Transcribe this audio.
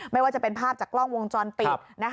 ไม่ว่าจะเป็นภาพจากกล้องวงจรปิด